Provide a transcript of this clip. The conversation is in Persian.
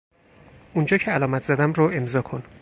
اونجا که علامت زدم رو امضا کن